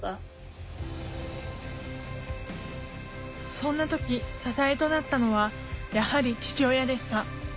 そんな時支えとなったのはやはり父親でした。